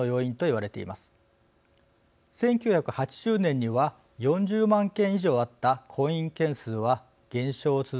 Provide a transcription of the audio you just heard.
１９８０年には４０万件以上あった婚姻件数は減少を続け